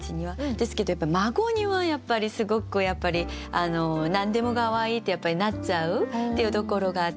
ですけど孫にはやっぱりすごく何でもかわいいってなっちゃうっていうところがあって。